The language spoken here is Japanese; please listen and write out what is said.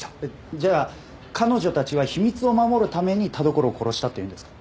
じゃあ彼女たちは秘密を守るために田所を殺したっていうんですか？